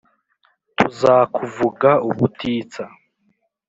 tuzakuvuga ubutitsa